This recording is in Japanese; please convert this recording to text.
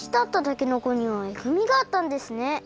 たけのこにはえぐみがあったんですね。